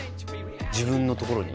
自分のところに？